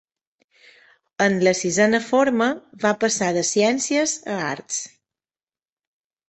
En la sisena forma, va passar de ciències a arts.